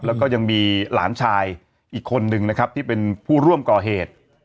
แล้วก็ยังมีหลานชายอีกคนนึงนะครับที่เป็นผู้ร่วมก่อเหตุ